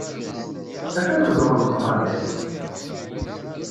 D acu txeddmeḍ deg uxxam-iw?